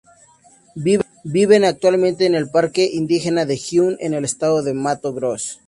Viven actualmente en el Parque Indígena de Xingu, en el Estado de Mato Grosso.